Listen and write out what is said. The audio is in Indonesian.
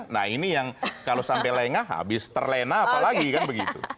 nah ini yang kalau sampai lengah habis terlena apalagi kan begitu